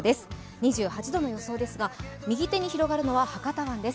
２８度の予想ですが右手に広がるのは博多湾です。